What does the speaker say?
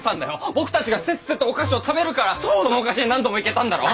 僕たちがせっせとお菓子を食べるからそのお菓子屋に何度も行けたんだろう？